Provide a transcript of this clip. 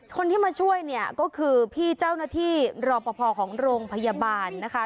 คนที่มาช่วยเนี่ยก็คือพี่เจ้าหน้าที่รอปภของโรงพยาบาลนะคะ